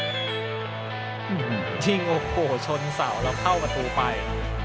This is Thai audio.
หื้อหือยิงโอโหชนเสาแล้วเข้าประตูไป